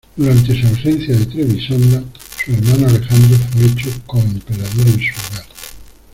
Durante su ausencia de Trebisonda, su hermano Alejandro fue hecho coemperador en su lugar.